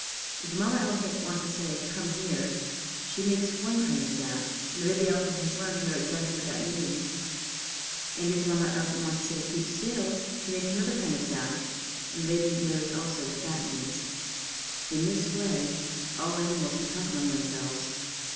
If the Mamma elephant wants to say "Come here," she makes one kind of sound, and the baby elephant has learned to know exactly what that means. And if the Mamma elephant wants to say "Keep still," she makes another kind of sound, and the baby knows also what that means. [Illustration: An Elephant Giving himself a Shower Bath] In this way all animals can talk among themselves.